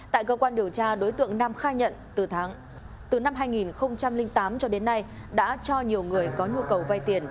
tại cơ quan điều tra đối tượng nam khai nhận từ năm hai nghìn tám cho đến nay đã cho nhiều người có nhu cầu vay tiền